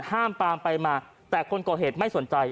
ห้ามปามไปมาแต่คนก่อเหตุไม่สนใจ